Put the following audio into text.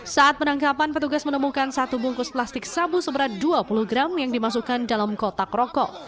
saat penangkapan petugas menemukan satu bungkus plastik sabu seberat dua puluh gram yang dimasukkan dalam kotak rokok